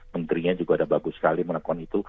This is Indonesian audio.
menterinya juga udah bagus sekali melakukan itu